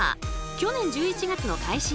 去年１１月の開始以来